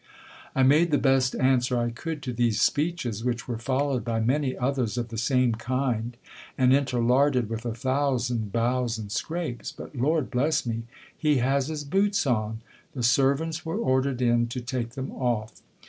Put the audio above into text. I made the best answer I could to these speeches, which were followed by many others of the same kind, and interlarded with a thousand bows and scrapes. But Lord bless me, he has his boots on ! The servants were ordered in, to take them off.